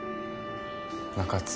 中津。